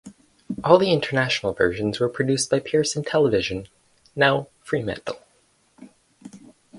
All the international versions were produced by Pearson Television (now Fremantle).